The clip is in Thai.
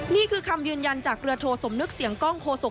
นี่คือคำยืนยันจากเรือโทสมนึกเสียงกล้องโฆษก